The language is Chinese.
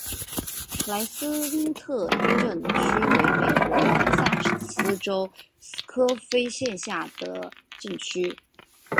普莱森特镇区为美国堪萨斯州科菲县辖下的镇区。